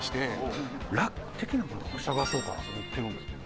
ラック的なものを探そうかなと思ってるんですけど。